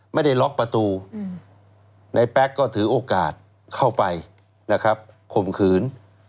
ไม่ได้ล็อกประตูในแป๊กก็ถือโอกาสเข้าไปนะครับข่มขืน